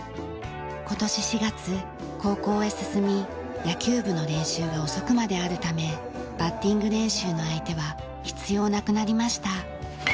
今年４月高校へ進み野球部の練習が遅くまであるためバッティング練習の相手は必要なくなりました。